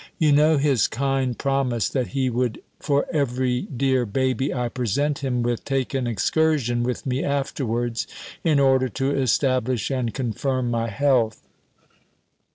You know his kind promise, that he would for every dear baby I present him with, take an excursion with me afterwards, in order to establish and confirm my health.